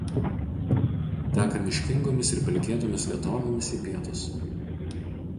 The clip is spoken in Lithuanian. Teka miškingomis ir pelkėtomis vietovėmis į pietus.